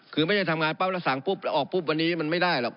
คือไม่ได้ทำงานปั๊บแล้วสั่งปุ๊บแล้วออกปุ๊บวันนี้มันไม่ได้หรอก